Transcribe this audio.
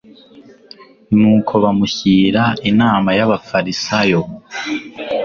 Nuko bamushyira inama y'abafarisayo.